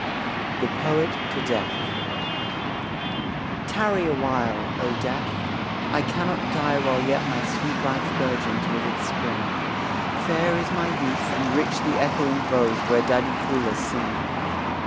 THE POET TO DEATH Tarry a while, O Death, I cannot die While yet my sweet life burgeons with its spring; Fair is my youth, and rich the echoing boughs Where dhadikulas sing.